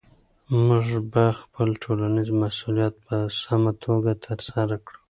موږ به خپل ټولنیز مسؤلیت په سمه توګه ترسره کړو.